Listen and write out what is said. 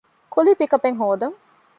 ކުލީ ޕިކަޕެއް ހޯދަން